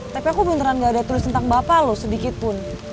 tapi aku beneran gak ada tulis tentang bapak loh sedikit pun